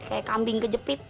kayak kambing kejepit